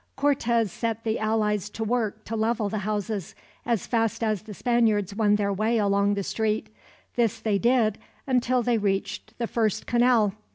Cortez set the allies to work to level the houses, as fast as the Spaniards won their way along the street. This they did, until they reached the first canal.